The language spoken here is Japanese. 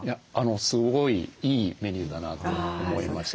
すごいいいメニューだなと思いました。